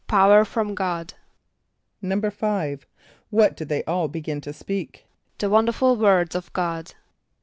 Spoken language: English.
=Power from God.= =5.= What did they all begin to speak? =The wonderful words of God.